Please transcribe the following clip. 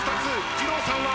じろうさんは。